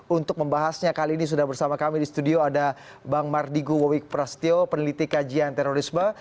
untuk membahasnya kali ini sudah bersama kami di studio ada bang mardigu wawik prasetyo peneliti kajian terorisme